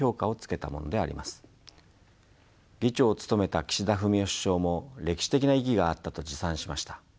議長を務めた岸田文雄首相も歴史的な意義があったと自賛しました。